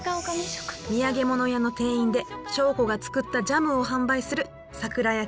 土産物屋の店員で祥子が作ったジャムを販売するさくら役